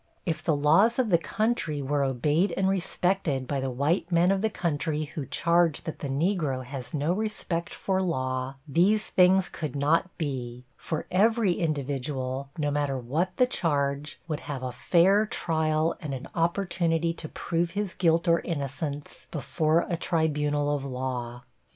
If the laws of the country were obeyed and respected by the white men of the country who charge that the Negro has no respect for law, these things could not be, for every individual, no matter what the charge, would have a fair trial and an opportunity to prove his guilt or innocence before a tribunal of law.